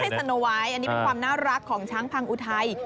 สโนไว้อันนี้เป็นความน่ารักของช้างพังอุทัย